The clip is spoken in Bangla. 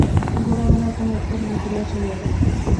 গোরা তাহার কোনো উত্তর না করিয়া চলিয়া গেল।